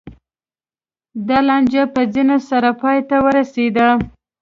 دا لانجه په ځپنې سره پای ته ورسېده.